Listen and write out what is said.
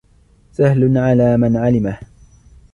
سَهْلٌ عَلَى مَنْ عَلِمَهُ